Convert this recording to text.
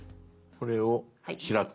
これを開く。